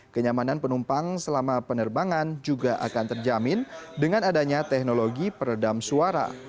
kenyamanan penumpang selama penerbangan juga akan terjamin dengan adanya teknologi peredam suara